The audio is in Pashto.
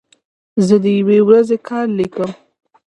زه د یوې ورځې کار لیکم.